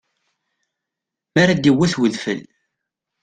Mi ara d-iwwet udfel.